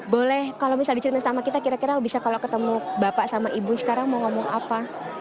boleh kalau misalnya diceritain sama kita kira kira bisa kalau ketemu bapak sama ibu sekarang mau ngomong apa